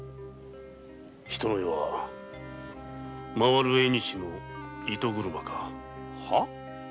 人の世は回るえにしの糸車か。は？